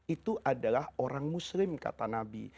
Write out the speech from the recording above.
itu adalah orang muslim kata nabi